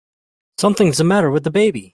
Something's the matter with the baby!